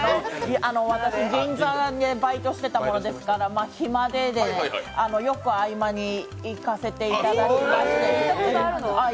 私、銀座でバイトしてたものですからヒマでよく合間に行かせていただきまして。